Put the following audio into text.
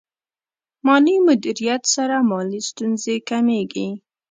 مالي مدیریت سره مالي ستونزې کمېږي.